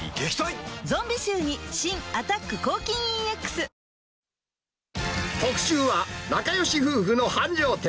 ゾンビ臭に新「アタック抗菌ＥＸ」特集は、仲良し夫婦の繁盛店。